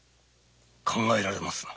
考えられますな。